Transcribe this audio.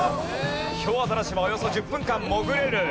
ヒョウアザラシはおよそ１０分間潜れる。